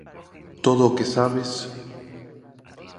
Todo o que sabes...